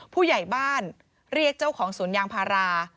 ผู้ใหญ่บ้านเรียกเจ้าของสวนยางพารา